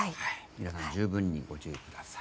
皆さん十分にご注意ください。